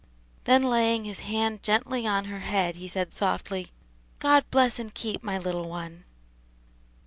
Then laying his hand gently on her head, he said softly, "God bless and keep my little one."